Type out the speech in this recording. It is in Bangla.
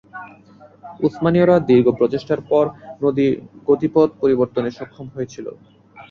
উসমানীয়রা দীর্ঘ প্রচেষ্টার পর নদীর গতিপথ পরিবর্তনে সক্ষম হয়েছিল।